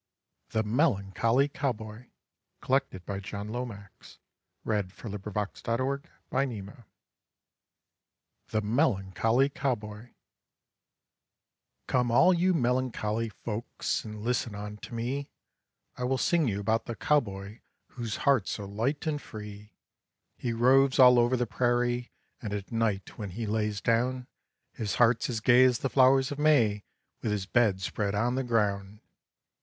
ell defend them, to God we'll commend them. To the frontier of Texas we bid a farewell. THE MELANCHOLY COWBOY Come all you melancholy folks and listen unto me, I will sing you about the cowboy whose heart's so light and free; He roves all over the prairie and at night when he lays down His heart's as gay as the flowers of May with his bed spread on the ground.